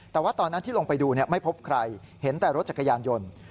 แต่ว่าตอนนั้นที่ลงไปดูไม่พบใครเห็นแต่รถจักรยานยนต์